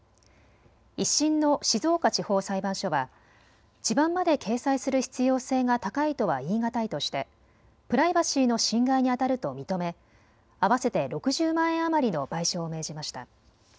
１審の静岡地方裁判所は地番まで掲載する必要性が高いとは言いがたいとしてプライバシーの侵害にあたると認め、合わせて６０万円余りの賠償を命じました。